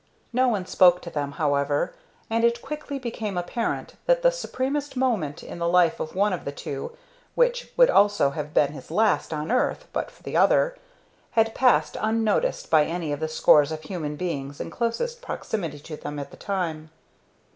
No one spoke to them, however, and it quickly became apparent that the supremest moment in the life of one of the two, which would also have been his last on earth but for the other, had passed unnoticed by any of the scores of human beings in closest proximity to them at the time.